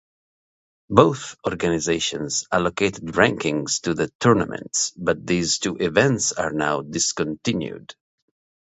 Both organisations allocated rankings to the tournaments, but these two events are now discontinued.